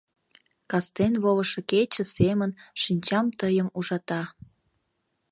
Кастен волышо кече семын шинчам тыйым ужата.